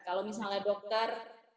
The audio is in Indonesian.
kalau misalnya dokter